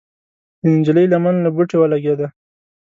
د نجلۍ لمن له بوټي ولګېده.